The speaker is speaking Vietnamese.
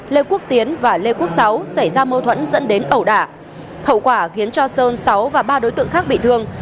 lê quốc tiến và lê quốc sáu xảy ra mâu thuẫn dẫn đến ẩu đả hậu quả khiến cho sơn sáu và ba đối tượng khác bị thương